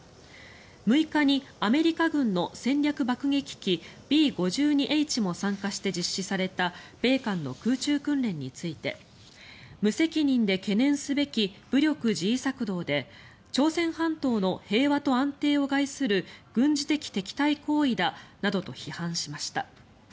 ６日にアメリカ軍の戦略爆撃機Ｂ５２Ｈも参加して実施された米韓の空中訓練について無責任で懸念すべき武力示威策動で朝鮮半島の平和と安定を害する軍事的敵対行為だなどと批判しました。